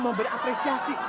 nih eko mau berapresiasi